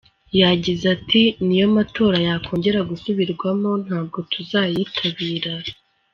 Yagize ati “N’iyo amatora yakongera gusubirwamo ntabwo tuzayitabira.